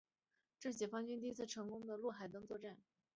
这是解放军一次成功的渡海登陆作战。